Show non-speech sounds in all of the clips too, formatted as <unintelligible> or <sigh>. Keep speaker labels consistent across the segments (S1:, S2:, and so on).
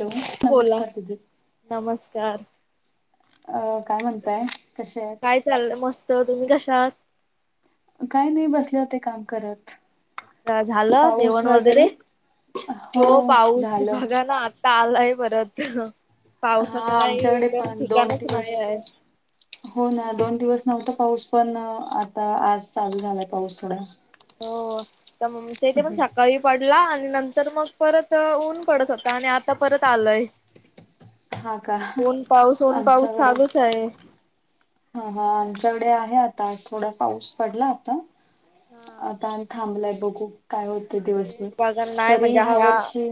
S1: Hello
S2: बोला
S1: नमस्कार दिदी.
S2: नमस्कार
S1: अ काय म्हणतय कशे आहेत.
S2: काय चाललं मस्त तुम्ही कश्या आहात.
S1: काही नाही बसले हो ते काम करत.
S2: त झालं जेवण वगैरे हो पाऊस
S1: झालं
S2: बघा ना आत आलाय परत पावसाच
S1: हा
S2: काही
S1: आमच्याकडे
S2: एकदम
S1: पण दोन
S2: ठिकाणच
S1: दिवस
S2: नाही आहे.
S1: हो ना दोन दिवस नव्हता पाऊस पण आता आज चालू झालाय पाऊस थोडा.
S2: हो त म तीथे पण सकाळी पडला आणि नंतर मग परत ऊन पडत होत आणि आता परत आलंय.
S1: हा का
S2: ऊन पाऊस ऊन पाऊस
S1: आमच्याकडे
S2: चालूच आहे.
S1: हा हा आमच्याकडे आहे आता थोडा पाऊस पडला आता.
S2: हा
S1: आता थांबलाय बघू. काय होते दिवसभर
S2: तेच बघा नाही
S1: तरी
S2: म्हणजे
S1: ह्या वर्षी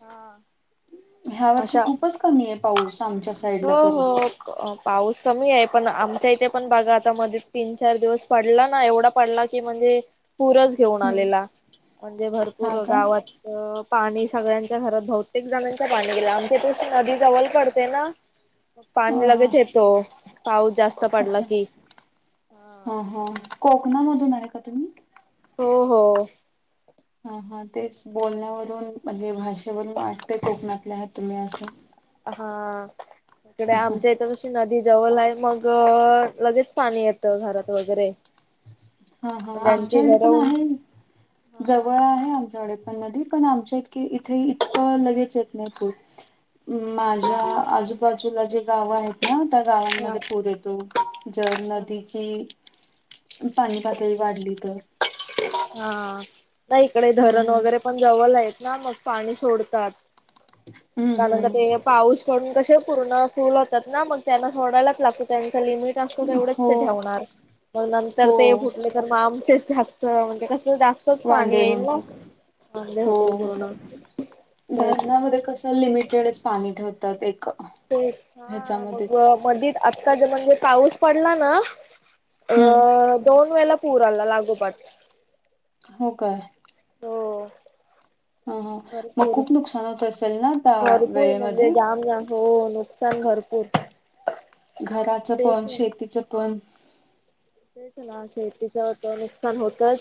S2: हा.
S1: ह्या वर्षी
S2: अशा
S1: खूपच कमी आहे पाऊस आमच्या साईडला तरी.
S2: अ पाऊस कमी आहे पण आमच्या इथे पण बाघा आता मध्ये तीन चार दिवस पडला ना एवढा पडला की म्हणजे पूरच घेऊन
S1: हम्म
S2: आलेला म्हणजे भरपूर
S1: हा का
S2: गावात अ पाणी सगळ्यांच्या घरात बहुतेक झन पाणी गेलं आमच्या <inaudible> नदी जवळ पडते ना. मग पाणी
S1: अ
S2: लगेच येतो पाऊस जास्त पडला की.
S1: ह ह कोकणामधून आहे का तुम्ही?
S2: हो हो.
S1: हा हा तेच बोलण्यावरून म्हणजे भाषेवरून वाटतेय कोकणातल्या आहेत तुम्ही असं.
S2: अ हा इकडे आमच्या इथ नदी जवळ आहे मग लगेच पाणी येतं घरात वगैरे.
S1: हा हा
S2: त्यांची
S1: आमच्याकडे
S2: घर
S1: पण आहे.
S2: उंच हा
S1: जवळ आहे आमच्या कडे पण नदी आमच्या इतके इथे इतकं लगेच येत नाही पुर. माझ्या आजूबाजूला जे गाव आहेत. नवत गावांमध्ये
S2: हा
S1: पूर येतो, जल नदीची पाणी पातळी वाढली त.
S2: हा, नाही इकडे धरण
S1: हम्म
S2: वगैरे पण जवळ आहेत ना म पाणी सोडतात,
S1: हम्म
S2: कारण का
S1: हम्म
S2: ते पाऊस पडून कसे पूर्ण फूल होतात ना मग त्यांना सोडायलाच लागतो त्यांच लिमिट ते असत तेवढेच
S1: हो
S2: ते ठेवणार, मग नंतर
S1: हो
S2: ते फुटले तर म आमचे जास् त म्हणजे कसं जास्तच पाणी
S1: वांदे
S2: येईल म,
S1: होतात.
S2: वांदे
S1: हो
S2: होतील पूर्ण. तेच.
S1: धरणामध्ये कसं लिमिटेडच पाणी ठेवतात एक
S2: ते, हा मग
S1: ह्याच्यामध्येच
S2: मधीत आता जे म्हणजे पाऊस पडला ना अ
S1: हम्म
S2: दोन वेला पूर आला लागोपाट.
S1: हो काय?
S2: हो
S1: ह ह मग
S2: भरपूर,
S1: खूप नुकसान होत असेल ना त्या
S2: भरपूर म्हणजे
S1: वेळेमध्ये
S2: जाम जाम. हो नुकसान भरपूर.
S1: घराच
S2: तेच
S1: पण शेतीच पण
S2: तेच ना शेतीच त नुकसान होतच,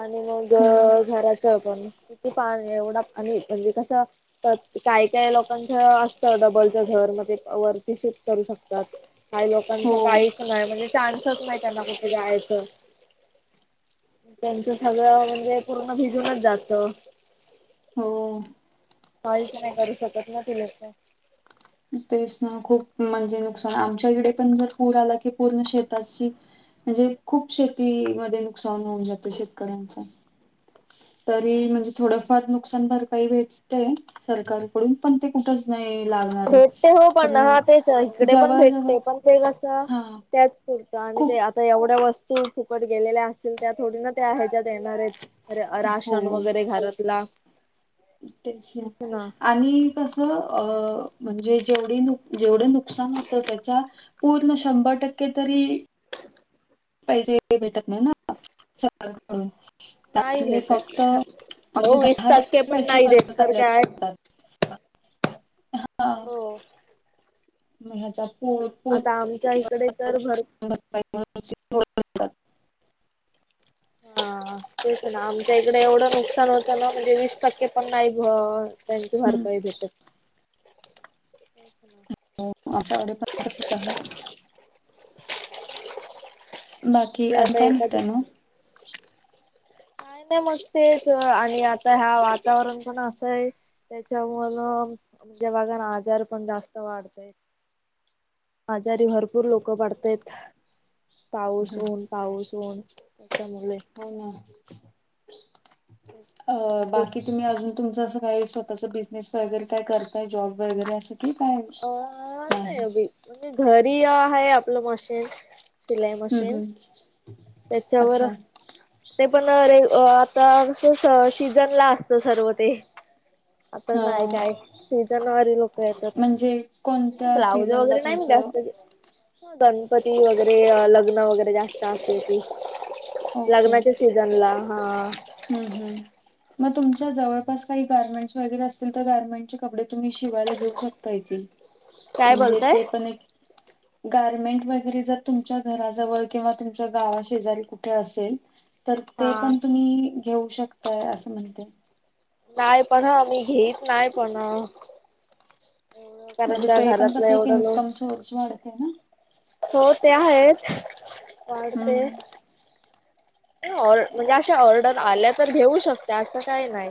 S2: आणि मग
S1: हम्म
S2: घ- घराच पण किती पानी एवढ आणि म्हणजे कसं तत कायं कायं लोकांच असतं डबलचं घर मगं ते वरती शिफ्ट करूं शकतात. कांहीं लोकांचं
S1: हो
S2: कांहीच नाहीं म्हणजे चान्सच नाहीं त्यांना कुठ जायचं. त्यांचं सगळं म्हणजे पूर्ण भिजूनच जातं.
S1: हो
S2: काहीचं नाहीं करूं शकतं नां ती लोकं.
S1: तेचं नां खूंप म्हणजे नुकसांन आमच्या इकडे पणं जर पूर आला की पूर्ण शेताची म्हणजे खूंप शेती मध्यें नुकसांन होऊन जातं शेतकऱ्यांचं. तरी
S2: हा ना
S1: म्हणजे थोडंफार नूक नुकसांन भरपाई भेटते सरकारकडूंन पणं ते कुठचं नाहीं लागणारं.
S2: भेटते हो पण हा तेच इकडे पण
S1: जवळ जवळ
S2: भेटते पण ते कसं
S1: हा
S2: त्यांचं पुुरता आणि ते
S1: खूप
S2: आता एवढ्या वस्तूं फुकट गेलेल्यां असतील त्यां थोडी नां त्यां ह्यांज्यात येणारं आहेंत. र -
S1: हो
S2: राशन वगैरें घरातला.
S1: तेचं ना. आणि कसं अ म्हणजे जेवढी नुक जेवढं नुकसान होतं त्यांच्या पूर्ण शंभर टक्के तरी
S2: <inaudible>
S1: पैसेे भेटतं नाहीं नां, सरकार कडूंन
S2: नाही
S1: त्यांतले
S2: भेटत.
S1: फक्तं म्हणजे
S2: अहो वीस
S1: दहा टक्के
S2: पण
S1: पैसे
S2: नाही देत
S1: परतं
S2: तर
S1: आपल्यात
S2: काय
S1: देतात.
S2: हो.
S1: म ह्यांजा
S2: आता आमच्या इकडे तरं भर
S1: भरपाई. म्हणून थोडं
S2: हां तेचं नां आमच्या इकडे एवढं नुकसांन होतं ना म्हणजे वीस टक्के पणं नाहीं भर त्यांजीच भरपाई
S1: हम्म
S2: देत्यात. <unintelligible>
S1: हो माझ्याकडे पणं तसंच आहे. बाकी
S2: म्हणजे
S1: अजून
S2: आता
S1: कायं
S2: एखादी
S1: म्हणतांय म?
S2: कायं नाही मगं तेचं आणि आता ह्या वातावरण पणं असं आहे. त्यांच्यामुळे म्हणून, जेव्हा जर आमच्या <unintelligible> आजार पणं जास्तं वाढतंय आजारी भरंपूर लोकं पडतायत. पाऊस ऊन, पाऊस ऊन त्यांच्यामुळे.
S1: हो नां, अ
S2: भरपूर
S1: बाकी? तुम्हीं अजून, तुमचं अस काही स्वतःच बिझनेस वगैरें कायं करताय जॉब वगैरें असं? की काय
S2: अ नाहीं
S1: नाही
S2: अभि, म्हणजे घरी आहे आपलं मशीन, शिलाई
S1: हम्म
S2: मशीन.
S1: हम्म
S2: त्यांच्यावर
S1: अच्छा
S2: ते पणं अ रे आता, असं सीजन ला असतं सर्व ते. आता
S1: हा
S2: नाहीं काय सीजन वारि लोकं येतात,
S1: म्हणजे
S2: ब्लाऊज वगैरे नाहीं मगं जास्तं
S1: हो <unintelligible>
S2: गणपती वगैरें, लग्नं वगैरें, जास्तं असले की. लग्नांच्या सीझन लां, हां.
S1: हम्मं हम्मं. म तुमच्या जवळंपास काई गारमेंट् वगैरे असतील तर, गार्मेंटचे कपडे तुम्हीं शिवायला घेऊ शक तय ति,
S2: काय
S1: म्हणजे
S2: बोलताय?
S1: ते पणं एक गारमेंट वगैरें जर तुमच्या घराजवळ किंवा तुमच्या गांवा शेजारी कुठे असेल तरं ते
S2: हा
S1: पणं तुम्हीं घेऊ शकताय, असं म्हणते.
S2: नाहीं पणं हं, मी घेत नाहीं पणं.
S1: म्हणजे ते पणं
S2: घरातलं
S1: कसं, एक
S2: एवढं लो
S1: इन्कम सोर्स वाढते नां?
S2: हो ते आहेच वाढते.
S1: हम्म
S2: ऑर, म्हणजे अशा ऑर्डर आल्या तरं घेऊ शकते, असं कांहीं नाहीं.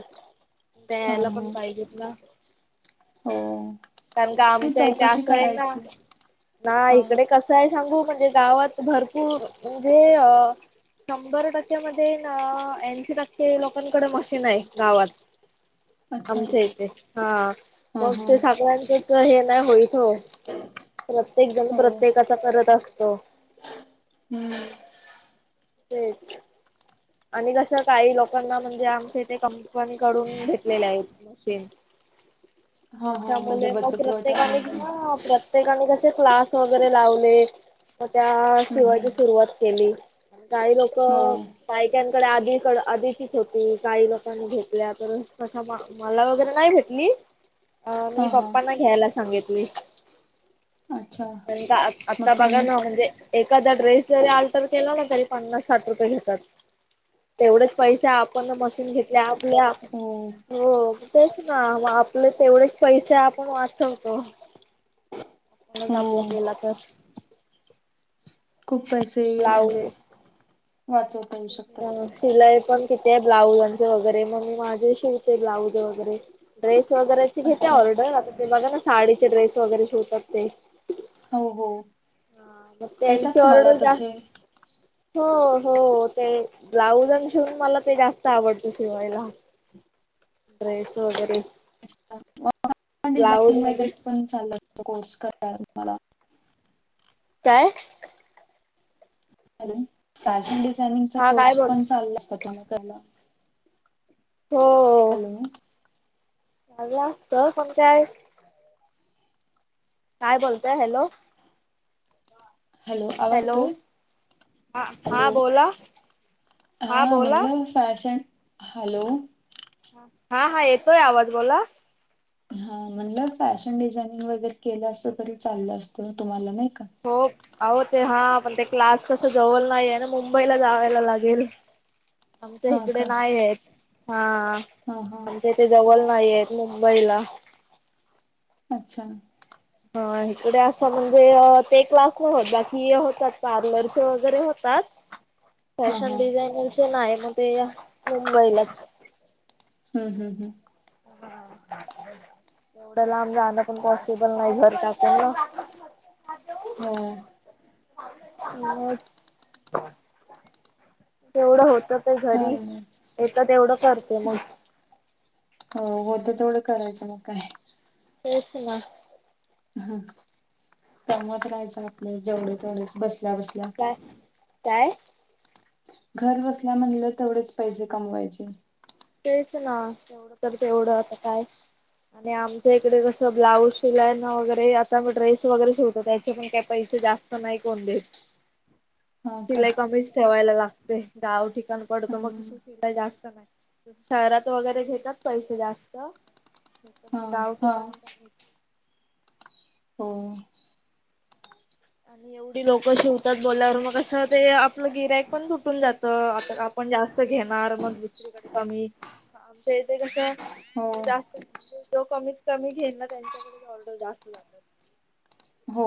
S1: हा
S2: प्यायला पणं
S1: हा
S2: पाहिजेेत नां?
S1: हो
S2: कारणं क
S1: ती
S2: आमच्या इथे
S1: चौकशी
S2: असंय नां,
S1: करायची.
S2: नां
S1: हा
S2: इकडे कसं य सांगू, म्हणजे गावात भरपूर म्हणजे अ शंभर टक्क्या मधे, न अ ऐंशी टक्के लोकांकडे मशीन हाय गावात.
S1: अच्छा
S2: आमच्या इथे, हां
S1: हा
S2: मग
S1: हा
S2: ते सागळ्यांचच हे नाही होईल हो प्रत्येक जण
S1: हो
S2: प्रत्येकाचा करत असतो.
S1: हम्म.
S2: तेच. आणि कसं काही लोकांना म्हणजे आमच्या इथे कंपनकडून भेटलेले आहेत, मशीन.
S1: <inaudible> हा हा म्हणजे
S2: त्याच्यामुळे मगं
S1: बचत गट आणि
S2: प्रत्येकांने
S1: हे.
S2: घ्या वापरत. प्रत्येकाने कसे क्लास वगैरे लावले, म त्या
S1: हम्म
S2: शिवायची
S1: हम्म
S2: सुरुवात केली. काही
S1: हो
S2: लोकं अ बायकांकडे आधी कड आधीचीच होती, काही लोकांनी घेतल्या, तर कसा म मला वगैरे नाही भेटली, अ
S1: हा
S2: मी
S1: हा.
S2: पप्पांना घ्यायला सांगितली.
S1: अच्छा
S2: <unintelligible> अन
S1: मग
S2: आता बघा
S1: तुम्ही
S2: ना म्हणजे एखादा ड्रेस जरी अल्टर केला ना, तरी पन्नास साठ रुपये घेतात. तेवढेच पैसे आपण मशीन घेतली, आपल्या हो तेच ना म आपले तेवढेच पैसे, आपण वाचवतो. आपणच
S1: हो
S2: आपला केला तर
S1: खूप पैसे म्हणजे
S2: ब्लाऊज
S1: वाचवता येऊ शकता.
S2: शिलाई पण किती आहे ब्लाऊजांचे वगैरे, मग माझे शिवते ब्लाऊज वगैरे. ड्रेस वगैरेचे घेते
S1: अच्छा
S2: ऑर्डर, आता ते बघा ना साडीचे ड्रेस वगैरे शिवतात ते
S1: हो हो.
S2: हां मग त्यांची
S1: येतात तुम्हाला
S2: ऑर्डर जास
S1: तसे
S2: हो, हो ते ब्लाउज आणि शिवून मला ते जास्त आवडत शिवायला. ड्रेस वैगेरे. मध्ये
S1: <unintelligible>
S2: काय?
S1: फॅशन डिझायनिंगचा
S2: हा काय
S1: कोर्स
S2: बोल
S1: पण चालू असतो, त्याणं करणं.
S2: हो
S1: हॅलो.
S2: <unintelligible> काय बोलताय? हॅलो
S1: हॅलो आवाज
S2: हॅलो
S1: येतोय
S2: हा हा
S1: हॅलो
S2: बोला
S1: हा म्हणलं फॅशन हॅलो
S2: हा हा येतोय आवाज बोला
S1: हा म्हणलं फॅशन डिझाइनिंग वगैरे केलं असतं तरी चाललं असतं तुम्हाला नाही का?
S2: हो अहो ते हा पण ते क्लास कसं जवळ नाही आहे ना मुंबईला जावायला लागेल
S1: <inaudible>
S2: आमच्या हीकडे
S1: का
S2: नाही आहेत हा
S1: हा हा
S2: आमच्या ते जवल नाही हेत मुंबईला
S1: अच्छा
S2: हा, इकडे असं म्हणजे ते क्लास नाही होत, बाकी होतात पार्लरचे वगैरे होतात.
S1: <unintelligible>
S2: फॅशन डिझाईनरच, नाय ना ते, मग ते मुंबईलाच
S1: हम्म, हम् हम्.
S2: एवढं लांब जाहणं पण पॉसिबल नाही, घर टाकून.
S1: हो
S2: मग, तेवढं होतच. ते घरी,
S1: चालेल
S2: येत तेवढं करते मग.
S1: हो, होत तेवढं करायचं मग काय!
S2: तेच ना.
S1: ह, कमवत राहायचं आपलं जेवढे- तेवढच बसल्या, बसल्या.
S2: काय.. काय?
S1: घर बसल्या म्हणलं तेवढेच पैसे कमवायचे.
S2: तेयच ना, तेवढं तर तेवढं आता काय! आणि आमच्या इकडे कसं ब्लाऊज शिलाय ना, वगैरे आता मी ड्रेस वगैरे शिवतो त्याचे पण काही पैसे जास्त नाही कोण देत.
S1: <unintelligible>
S2: शिलाई कमीच ठेवायला लागते, गाव ठिकाण पडतो मग कस
S1: हम्म
S2: शिलाई जास्त नाही. शहरात वगैरे घेतात पैसे जास्त,
S1: हा
S2: गाव
S1: हा
S2: ठिकाणी का
S1: हो
S2: आणि एवढी लोक शिवतात बोल्यावर मग कसं ते आपलं गिरायक पण तुटून जातं, आता आ पण जास्त घेणार, मग दुसरीकडे कमी, आमच्या इथं कस,
S1: हो
S2: जास्त म्हणजे तो कमीत- कमी घेईन ना त्यांच्याकडे की ऑडर जास्त लागतात.
S1: हो,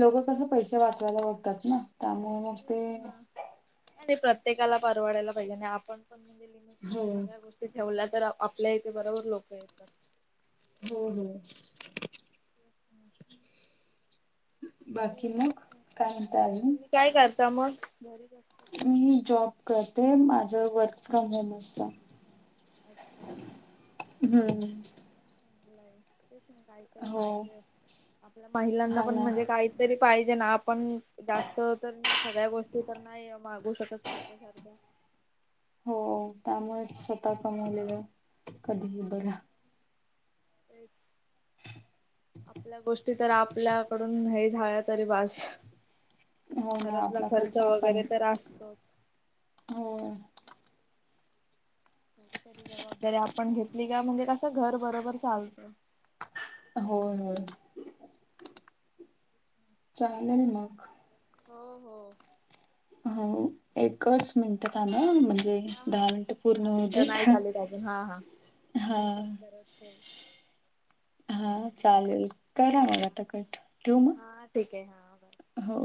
S1: लोकं कसं पैसे वाचवायला बघतात ना त्यामुळे मग ते
S2: नाही, प्रत्येकाला परवडायला पाहिजे आणि आपण म्हणजे लिमिट
S1: हो
S2: मध्ये सगळ्या गोष्टी ठेवला तर, आपल्या इथे बरोबर लोक येतात.
S1: हो हो बाकी मग काय म्हणता अजून
S2: तुम्ही काय करता मग? घरीच असते
S1: मी जॉब करते माझं वर्क फ्रॉम होम असतं.
S2: अच्छा
S1: हम्म हम्म.
S2: <inaudible> काहीतरी
S1: हो
S2: पाहिजे आपल्या महिलांना
S1: हा
S2: पण
S1: ना
S2: म्हणजे काही तरी पाहिजे ना आपण जास्त तर नाय सगळ्या गोष्टी तर नाय तेव मागू शकत सारख्या सारख्या
S1: हो त्यामुळेच स्वतः कमवलेलं कधी ही बरा.
S2: तेच आपल्या गोष्टी तर आपल्याकडून हे झाळा तरी बास. आणि
S1: हो ना
S2: घरातला
S1: आपला
S2: खर्च वगैरे तर असतोच.
S1: हों.
S2: <inaudible> तरी जबाबदारी आपण घेतली का म्हणजे कसं घर बरोबर चालतं.
S1: होय होय. चांदण मग
S2: हो हो.
S1: हो
S2: चालेल ठीक आहे.
S1: एकच मिनटं थांबा म्हणजे
S2: हा
S1: दहा
S2: हा
S1: मिनटं पूर्ण
S2: दहा
S1: होऊ दे
S2: मिनटं नाही झालीत अजून हा हा
S1: हा.
S2: नाही कट करत ठेव
S1: हा चालेल करा मग आता कट ठेवू मग
S2: हा ठीक आहे हा. बर
S1: हो.